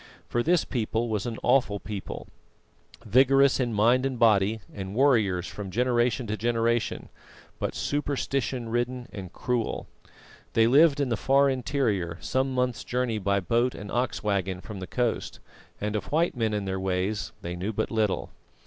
For this people was an awful people: vigorous in mind and body, and warriors from generation to generation, but superstition ridden and cruel. They lived in the far interior, some months' journey by boat and ox waggon from the coast, and of white men and their ways they knew but little.